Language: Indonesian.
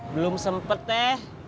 belum sempet teh